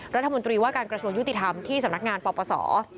รัฐมนตรีว่าการกระทรวงยุติธรรมที่สำนักงานปปศ